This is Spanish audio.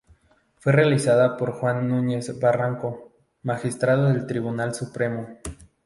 Fue realizada por Juan Nuñez Barranco, magistrado del Tribunal Supremo.